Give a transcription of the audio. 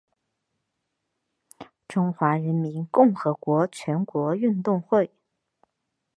中华人民共和国全国运动会。